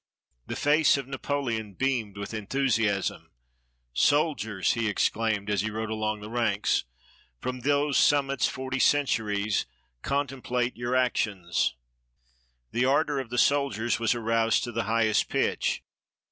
The face of Napoleon beamed with enthusiasm, "Sol diers!" he exclaimed, as he rode along the ranks, "from those summits forty centuries contemplate your ac tions." The ardor of the soldiers was aroused to the highest pitch.